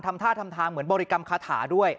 ทำท่าทำทางเหมือนบริกรรมคาถาด้วย